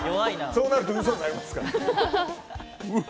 そうなると嘘になりますから。